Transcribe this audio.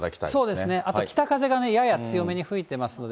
そうですね、あと北風がね、やや強めに吹いてますので。